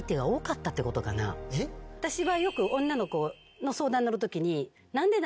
私はよく女の子の相談に乗るときに何で？